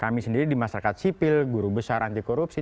kami sendiri di masyarakat sipil guru besar anti korupsi